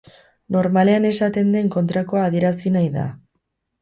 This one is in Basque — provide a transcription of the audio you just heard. Normalean esaten den kontrakoa adierazi nahi da.